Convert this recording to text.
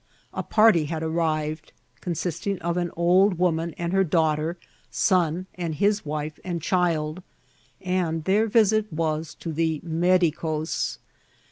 A party had arrived, consisting of an old woman and her daughter, son, and his wife and child, and their visit was to the medicos.